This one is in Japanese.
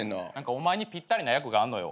お前にぴったりな役があんのよ。